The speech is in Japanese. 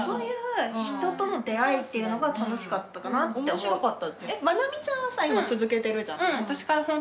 面白かった。